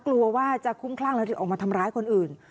กลัวว่าจะคุ้มคลั่งแล้วจะออกมาทำร้ายคนอื่น